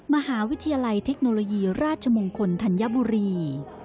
มหาวิทยาลัยเทคโนโลยีราชมงคลธัญบุรี